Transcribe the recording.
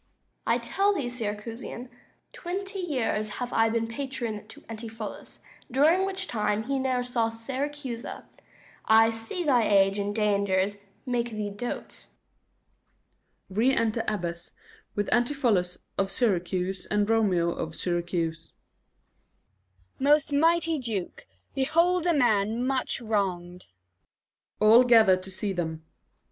_ I tell thee, Syracusian, twenty years 325 Have I been patron to Antipholus, During which time he ne'er saw Syracusa: I see thy age and dangers make thee dote. Re enter Abbess, with ANTIPHOLUS of Syracuse and DROMIO of Syracuse. Abb. Most mighty Duke, behold a man much wrong'd. [All gather to see them. _Adr.